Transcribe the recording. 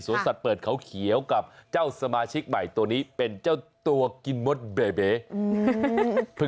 สัตว์เปิดเขาเขียวกับเจ้าสมาชิกใหม่ตัวนี้เป็นเจ้าตัวกินมดเบเบอืม